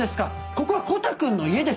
ここはコタくんの家ですよ。